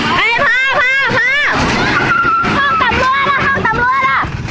นาทีสุดท้าย